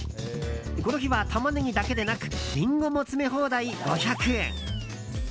この日はタマネギだけでなくリンゴも詰め放題、５００円。